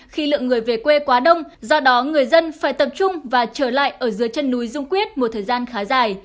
khi lượng người về quê quá đông do đó người dân phải tập trung và trở lại ở dưới chân núi dung quyết một thời gian khá dài